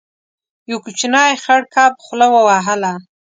يو کوچنی خړ کب خوله وهله.